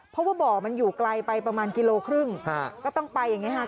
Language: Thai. เพราะว่าบ่อมันอยู่ไกลไปประมาณกิโลครึ่งก็ต้องไปอย่างนี้ค่ะ